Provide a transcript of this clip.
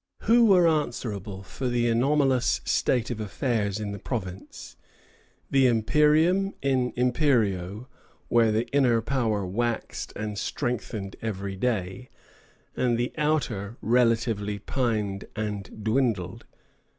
Who were answerable for the anomalous state of affairs in the province, the imperium in imperio where the inner power waxed and strengthened every day, and the outer relatively pined and dwindled?